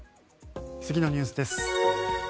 次のニュースです。